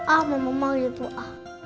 ah mama mau gitu ah